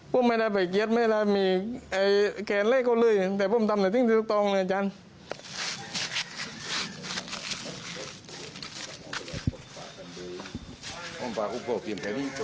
พ่อมันไม่ได้ไปเกียรติไม่ได้มีแขนเล่นเขาเลยแต่พ่อมันทำแล้วทิ้งถูกต้องเลยอาจารย์